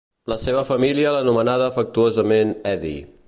La seva família l'anomenava afectuosament "Edi".